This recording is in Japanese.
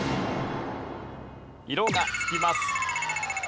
色が付きます。